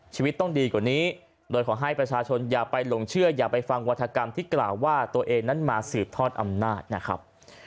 ชีวิตต้องดีกว่านี้โดยขอให้ประชาชนอย่าไปหลงเชื่ออย่าไปฟังวัฒกรรมที่กล่าวว่าตัวเองนั้นมาสืบทอดอำนาจนะครับ